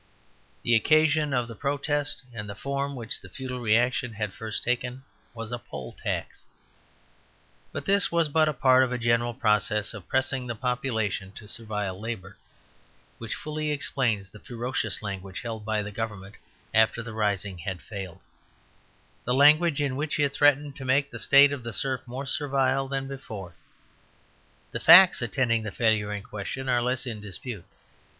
The occasion of the protest, and the form which the feudal reaction had first taken, was a Poll Tax; but this was but a part of a general process of pressing the population to servile labour, which fully explains the ferocious language held by the government after the rising had failed; the language in which it threatened to make the state of the serf more servile than before. The facts attending the failure in question are less in dispute.